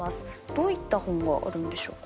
どういった本があるんでしょうか。